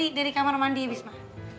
emak dari kamar mandi ya bisma